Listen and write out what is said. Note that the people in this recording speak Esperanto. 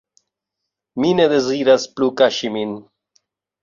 Mi ne deziras plu kaŝi min.